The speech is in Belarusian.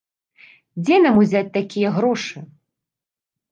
Дзе нам узяць такія грошы?